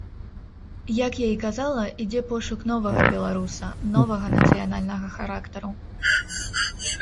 Як я і казала, ідзе пошук новага беларуса, новага нацыянальнага характару.